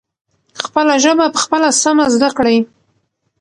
خپله ژبه پخپله سمه زدکړئ.